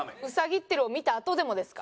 兎ってるを見たあとでもですか？